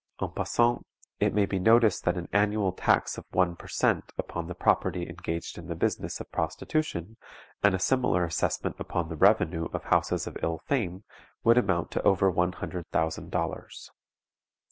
En passant, it may be noticed that an annual tax of one per cent. upon the property engaged in the business of prostitution, and a similar assessment upon the revenue of houses of ill fame, would amount to over one hundred thousand dollars.